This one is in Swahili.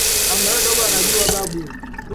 aliweka bayana mambo ya mgahawa huo